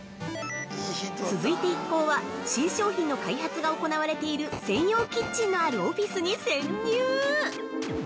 ◆続いて一行は、新商品の開発が行われている専用キッチンのあるオフィスに潜入。